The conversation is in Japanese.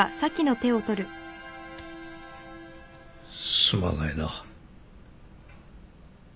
すまないな。